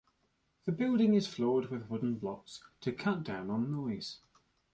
The building is floored with wooden blocks to cut down on noise.